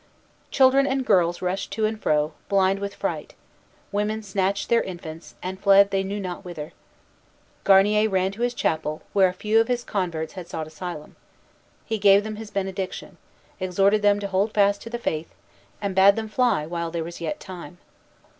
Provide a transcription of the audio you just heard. Children and girls rushed to and fro, blind with fright; women snatched their infants, and fled they knew not whither. Garnier ran to his chapel, where a few of his converts had sought asylum. He gave them his benediction, exhorted them to hold fast to the Faith, and bade them fly while there was yet time.